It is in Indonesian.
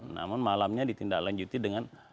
namun malamnya ditindaklanjuti dengan